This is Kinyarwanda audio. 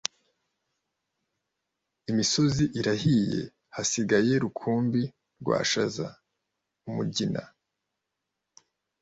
Imisozi irahiye hasigaye rukumbi rwa Shaza.Umugina